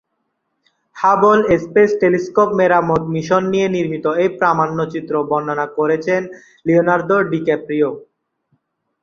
Hubble space telescope মেরামত mission নিয়ে নির্মিত এই প্রামাণ্যচিত্র বর্ণনা করেছেন লিওনার্দো ডিক্যাপ্রিও।